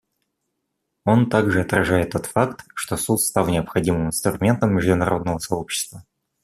Он также отражает тот факт, что Суд стал необходимым инструментом международного сообщества.